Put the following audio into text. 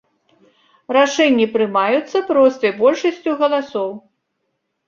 Рашэнні прымаюцца простай большасцю галасоў.